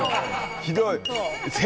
ひどい。